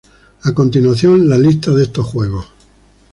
A continuación la lista de estos juegos.